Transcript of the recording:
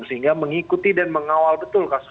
sehingga mengikuti dan mengawal betul kasus ini